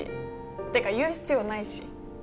てか言う必要ないし。